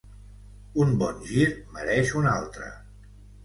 Un bon gir mereix un altre.